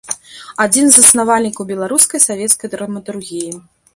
Адзін з заснавальнікаў беларускай савецкай драматургіі.